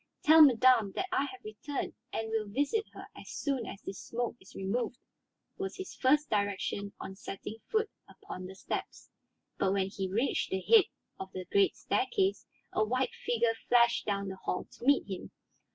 "Tell madame that I have returned and will visit her as soon as this smoke is removed," was his first direction on setting foot upon the steps. But when he reached the head of the great staircase a white figure flashed down the hall to meet him.